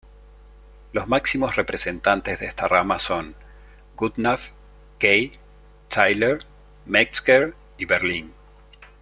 Los máximos representantes de esta rama son: Goodenough, Kay, Tyler, Metzger y Berlín.